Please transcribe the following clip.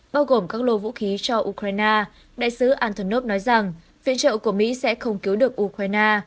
bao gồm các lô vũ khí cho ukraine đại sứ antonov nói rằng viện trợ của mỹ sẽ không cứu được ukraine